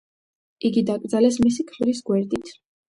იგი დაკრძალეს მისი ქმრის გვერდით.